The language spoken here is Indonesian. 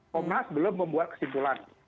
komnas belum membuat kesimpulan